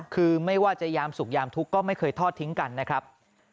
คือไม่ว่าจะยามสุขยามทุกข์ก็ไม่เคยทอดทิ้งกันนะครับ